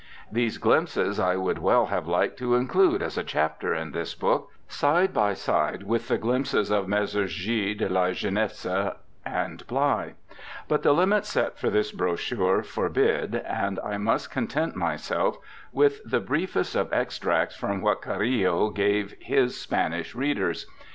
These glimpses I would well have liked to include as a chapter in this book, side by side with the glimpses of Messrs. Gide, La Jeunesse, and Blei. But the limits set for this brochure forbid, and I must content myself with the brief est of extracts from what Carillo gave his 13 RECOLLECTIONS OF OSCAR WILDE Spanish readers.